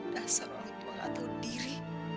dasar orang tua atau diri